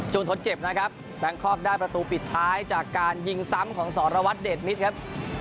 ทดเจ็บนะครับแบงคอกได้ประตูปิดท้ายจากการยิงซ้ำของสรวัตรเดชมิตรครับ